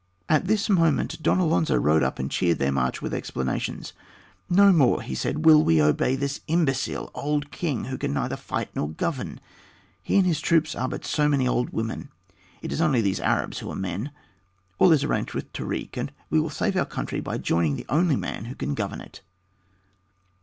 At this moment Don Alonzo rode up and cheered their march with explanations. "No more," he said, "will we obey this imbecile old king who can neither fight nor govern. He and his troops are but so many old women; it is only these Arabs who are men. All is arranged with Tarik, and we will save our country by joining the only man who can govern it."